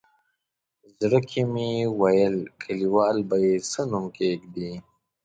زړه کې مې ویل کلیوال به یې څه نوم کېږدي.